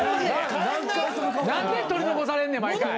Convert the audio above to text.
何で取り残されんねん毎回。